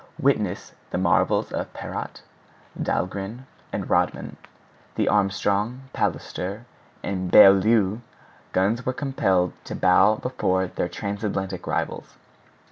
Witness the marvels of Parrott, Dahlgren, and Rodman. The Armstrong, Palliser, and Beaulieu guns were compelled to bow before their transatlantic rivals.